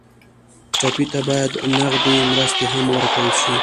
ټپي ته باید نغدې مرستې هم ورکړل شي.